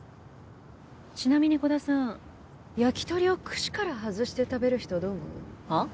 ちなみに鼓田さん焼き鳥を串から外して食べる人どう思う？はあ？